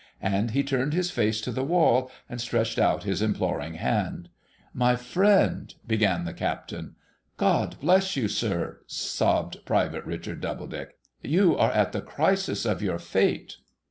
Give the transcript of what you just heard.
' And he turned his face to the wall, and stretched out his imploring hand. ' iSly friend ' began the Captain. ' God bless you, sir !' sobbed Private Richard Doubledick. ' You are at the crisis of your fate.